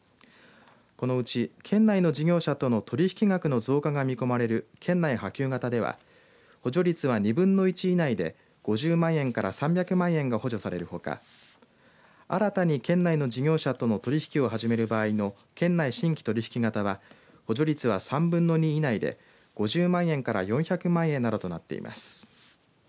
このうち県内の事業者との取引額の増加が見込まれる県内波及型では補助率は２分の１以内で５０万円から３００万円が補助されるほか新たに県内の事業者との取り引きを始める場合の県内新規取引型は補助率は３分の２以内で５０万円から４００万円などとなっています。